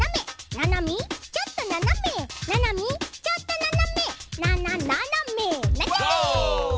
ななみちょっとななめ」「ななみちょっとななめななななめ」なんちゃって！